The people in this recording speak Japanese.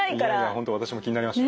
本当私も気になりました。